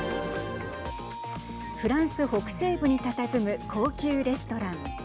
フランス北西部にたたずむ高級レストラン。